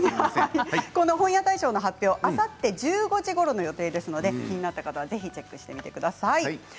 本屋大賞の発表はあさって１５時ごろの予定ですので気になった方はぜひチェックしてみてください。